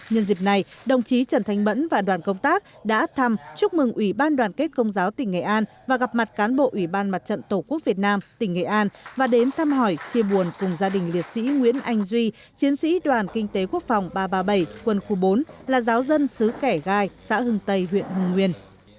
nhân dịp này đồng chí trần thanh mẫn và đoàn công tác đã thăm chúc mừng ủy ban đoàn kết công giáo tỉnh nghệ an và gặp mặt cán bộ ủy ban mặt trận tổ quốc việt nam tỉnh nghệ an và đến thăm hỏi chia buồn cùng gia đình liệt sĩ nguyễn anh duy chiến sĩ đoàn kinh tế quốc phòng ba trăm ba mươi bảy quân khu bốn là giáo dân xứ kẻ gai xã hưng tây huyện hưng nguyên